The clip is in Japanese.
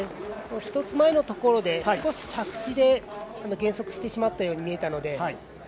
１つ前のところの着地で減速してしまったように見えたので。